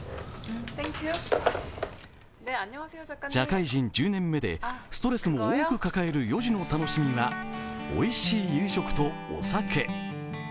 社会人１０年目で、ストレスも多く抱えるヨジュの楽しみは、おいしい夕食とお酒。